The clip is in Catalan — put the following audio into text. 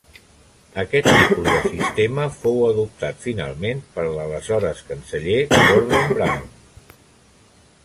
Aquest tipus de sistema fou adoptat finalment pel aleshores canceller Gordon Brown.